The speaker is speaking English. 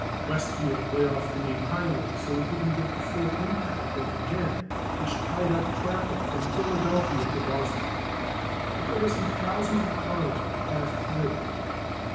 Westfield lay off the main highway, so it didn't get the full impact of the jam which tied up traffic from Philadelphia to Boston; but there were some thousands of cars which passed through.